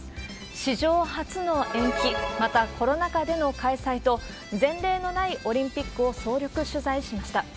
史上初の延期、また、コロナ禍での開催と、前例のないオリンピックを総力取材しました。